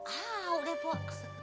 ah udah pok